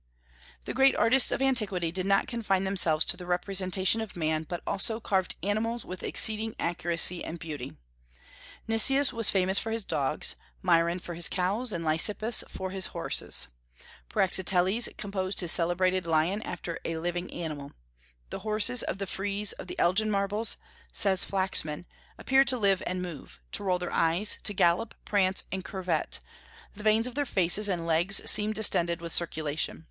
The great artists of antiquity did not confine themselves to the representation of man, but also carved animals with exceeding accuracy and beauty. Nicias was famous for his dogs, Myron for his cows, and Lysippus for his horses. Praxiteles composed his celebrated lion after a living animal. "The horses of the frieze of the Elgin Marbles," says Flaxman, "appear to live and move; to roll their eyes, to gallop, prance, and curvet; the veins of their faces and legs seem distended with circulation.